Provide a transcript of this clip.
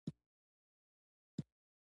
هغه ذهن چې د ایمان په ګاڼه سمبال وي